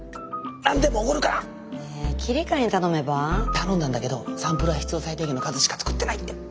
頼んだんだけどサンプルは必要最低限の数しか作ってないって。